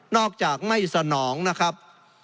อกจากไม่สนองนะครับ